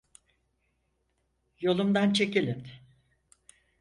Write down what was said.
Yolumdan çekilin!